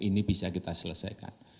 ini bisa kita selesaikan